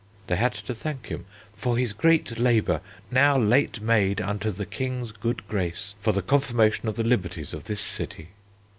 They had to thank him "for his great labour now late made unto ye king's good grace for the confirmation of the liberties of this city."